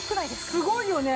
すごいよね。